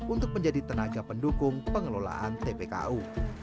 untuk menjadi tenaga pendukung pengelolaan tpku